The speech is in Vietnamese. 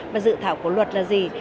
và dự thảo của luật là gì